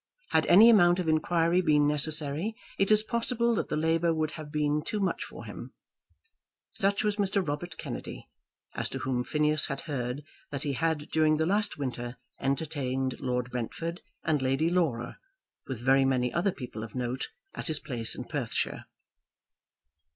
Had any amount of inquiry been necessary, it is possible that the labour would have been too much for him. Such was Mr. Robert Kennedy, as to whom Phineas had heard that he had during the last winter entertained Lord Brentford and Lady Laura, with very many other people of note, at his place in Perthshire.